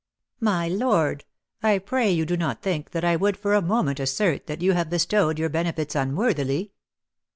"My lord, I pray you do not think that I would for a moment assert that you have bestowed your benefits unworthily."